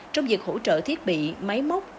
trong việc hỗ trợ thiết bị máy mốc